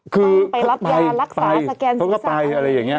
ถึงให้ไปรับยารักษาสแกนศีรษะเขาก็ไปอย่างนี้